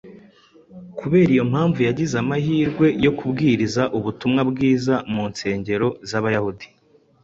Kubera iyi mpamvu yagize amahirwe yo kubwiriza ubutumwa bwiza mu nsengero z’Abayahudi